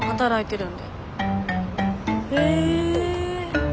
へえ。